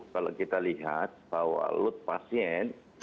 kalau kita lihat pak walut pasien